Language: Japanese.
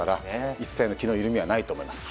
一切、気の緩みはないと思います。